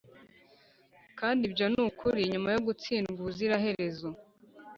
kandi ibyo nukuri nyuma yo gutsindwa ubuziraherezo.